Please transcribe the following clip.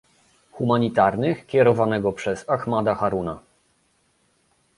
Humanitarnych kierowanego przez Ahmada Haruna